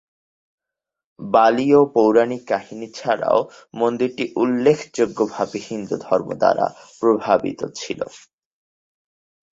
বালীয় পৌরাণিক কাহিনী ছাড়াও, মন্দিরটি উল্লেখযোগ্যভাবে হিন্দুধর্ম দ্বারা প্রভাবিত ছিল।